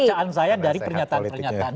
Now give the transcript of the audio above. bacaan saya dari pernyataan pernyataan